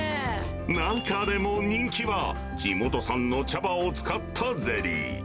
中でも人気は、地元産の茶葉を使ったゼリー。